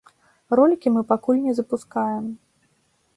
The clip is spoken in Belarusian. Ролікі мы пакуль не запускаем.